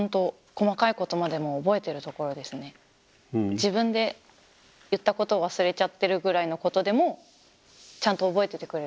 自分で言ったことを忘れちゃってるぐらいのことでもちゃんと覚えててくれるところです。